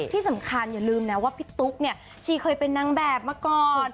ที่สำคัญอย่าลืมนะว่าพี่ตุ๊กเนี่ยชีเคยเป็นนางแบบมาก่อน